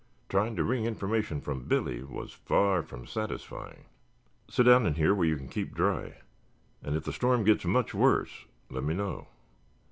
Trying to wring information from Billy was far from satisfying. "Sit down in here where you can keep dry, and if the storm gets much worse let me know.